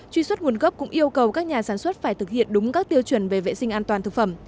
truy xuất nguồn gốc cũng yêu cầu các nhà sản xuất phải thực hiện đúng các tiêu chuẩn về vệ sinh an toàn thực phẩm